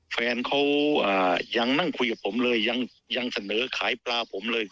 แฟนเขายังนั่งคุยกับผมเลยยังเสนอขายปลาผมเลย